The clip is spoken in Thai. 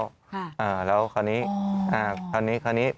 อ่าแล้วคราวนี้อ่าคราวนี้คราวนี้